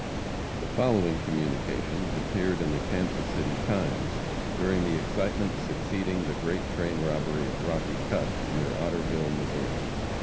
The following communications appeared in the Kansas City Times during the excitement succeeding the great train robbery at Rocky Cut, near Otterville, Missouri.